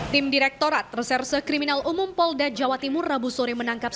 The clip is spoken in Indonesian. tim direktorat reserse kriminal umum polda jawa timur rabu sore menangkap